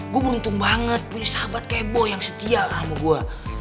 gue beruntung banget punya sahabat kebo yang setia sama gue